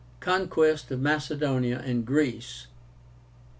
CONQUEST OF MACEDONIA AND GREECE.